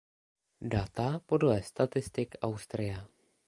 Data podle Statistik Austria.